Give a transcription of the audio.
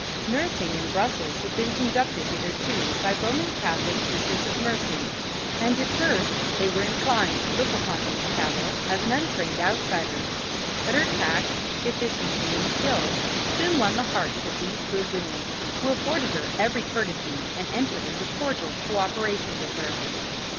Nursing in Brussels had been conducted hitherto by Roman Catholic Sisters of Mercy, and at first they were inclined to look upon Miss Cavell as an untrained outsider, but her tact, efficiency and skill soon won the hearts of these good women, who afforded her every courtesy and entered into cordial cooperation with her.